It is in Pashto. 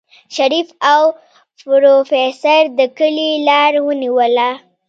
شريف او پروفيسر د کلي لار ونيوله.